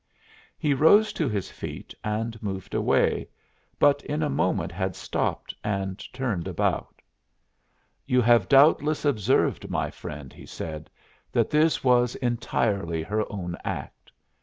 He rose to his feet and moved away, but in a moment had stopped and turned about. "You have doubtless observed, my friend," he said, "that this was entirely her own act.